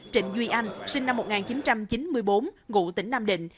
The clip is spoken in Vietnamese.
trịnh duy anh sinh năm một nghìn chín trăm chín mươi bốn ngụ tỉnh nam định